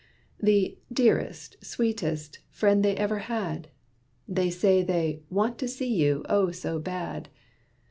The 'dearest, sweetest' friend they ever had. They say they 'want to see you, oh, so bad!'